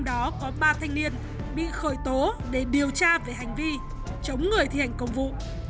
điều tra về hành vi chống người thi hành công vụ